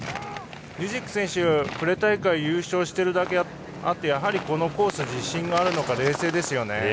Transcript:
リジク選手、プレ大会で優勝してるだけあってこのコース自信があるのか冷静ですね。